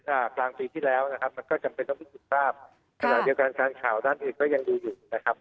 อ่ากลางปีที่แล้วนะครับมันก็จำเป็นต้องพิสูจน์ทราบขณะเดียวกันการข่าวด้านอื่นก็ยังดูอยู่นะครับ